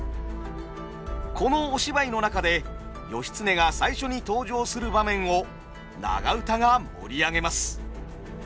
このお芝居の中で義経が最初に登場する場面を長唄が盛り上げます。